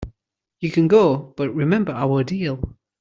You can go, but remember our deal.